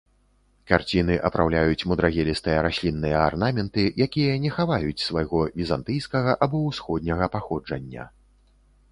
Карціны апраўляюць мудрагелістыя раслінныя арнаменты, якія не хаваюць свайго візантыйскага або ўсходняга паходжання.